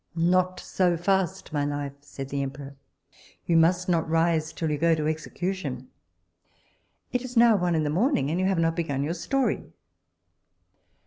Not so fast, my life, said the emperor, you must not rise till you go to execution; it is now one in the morning, and you have not begun your story.